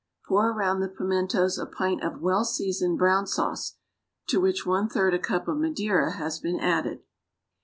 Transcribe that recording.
Pour around the pimentos a pint of well seasoned brown sauce, to which one third a cup of madeira has been added.